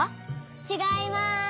ちがいます。